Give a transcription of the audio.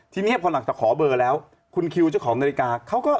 ทีนี้พอหลังจากขอเบอร์แล้วคุณคิวเจ้าของนาฬิกาเขาก็